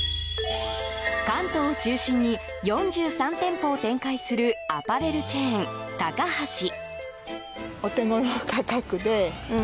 関東を中心に４３店舗を展開するアパレルチェーン、タカハシ。